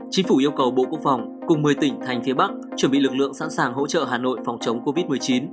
chính phủ yêu cầu bộ quốc phòng cùng một mươi tỉnh thành phía bắc chuẩn bị lực lượng sẵn sàng hỗ trợ hà nội phòng chống covid một mươi chín